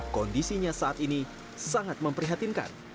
kondisinya saat ini sangat memprihatinkan